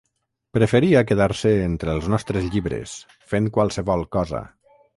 Preferia quedar-se entre els nostres llibres, fent qualsevol cosa.